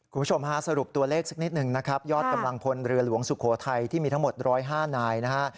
คุณผู้ชมฮะสรุปตัวเลขสักนิดหนึ่งนะครับยอดกำลังพลเรือหลวงสุโขทัยที่มีทั้งหมด๑๐๕นายนะฮะ